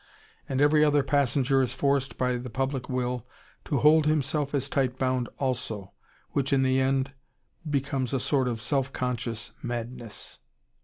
And every other passenger is forced, by the public will, to hold himself as tight bound also. Which in the end becomes a sort of self conscious madness.